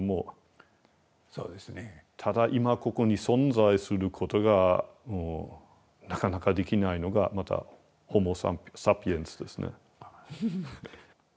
ただ今ここに存在することがもうなかなかできないのがまたホモサピエンスですね。